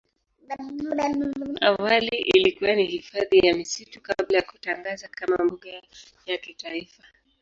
Awali ilikuwa ni hifadhi ya misitu kabla ya kutangazwa kama mbuga ya kitaifa.